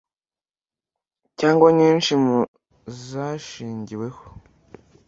cyangwa nyinshi mu zashingiweho